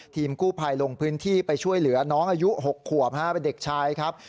ทีมกู้ภัยลงพื้นที่ไปช่วยเหลือน้องอายุ๖ขวบเป็นเด็กชายครับ